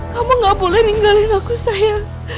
kamu gak boleh ninggalin aku sayang